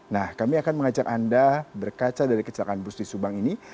nah kami akan mengajak anda berkaca dari kecelakaan bus di subang ini